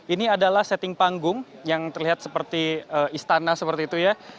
ini adalah setting panggung yang terlihat seperti istana seperti itu ya